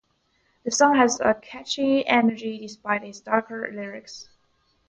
The song has a catchy energy despite its darker lyrics.